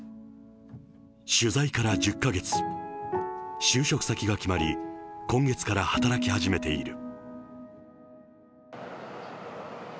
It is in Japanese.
取材から１０か月、就職先が決まり、今月から働き始めている。